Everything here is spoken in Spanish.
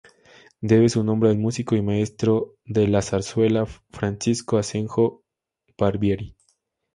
Debe su nombre al músico y maestro de la zarzuela, Francisco Asenjo Barbieri.